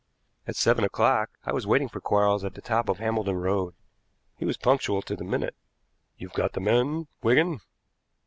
At seven o'clock I was waiting for Quarles at the top of Hambledon Road. He was punctual to the minute. "You've got the men, Wigan?"